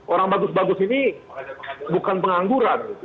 orang bagus bagus ini bukan pengangguran